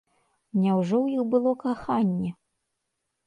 Няўжо ў іх было каханне?